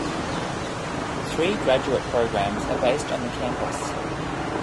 Three graduate programs are based on the campus.